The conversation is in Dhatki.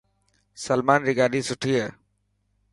سلمان ري گاڏي سٺي هي.